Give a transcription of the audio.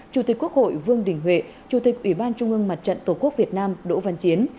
chủ tịch quốc hội vương đình huệ chủ tịch ủy ban trung ương mặt trận tổ quốc việt nam đỗ văn chiến